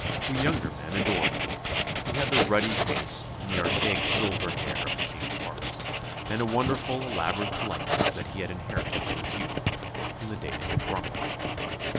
We younger men adored him. He had the ruddy face and the archaic silver hair of the King of Hearts; and a wonderful elaborate politeness that he had inherited from his youth from the days of Brummell.